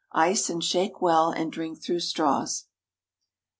Ice and shake well and drink through straws.